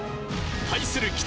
対する